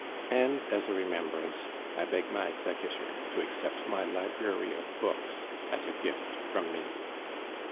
"And as a remembrance, I beg my executor to accept my library of books as a gift from me.